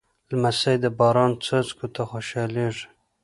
لمسی د باران څاڅکو ته خوشحالېږي.